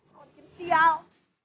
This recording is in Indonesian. lo bikin sial